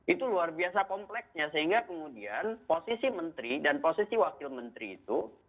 itu luar biasa kompleknya sehingga kemudian posisi menteri dan posisi wakil menteri itu